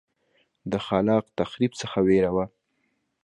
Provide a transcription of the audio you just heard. د خلاق تخریب څخه وېره وه.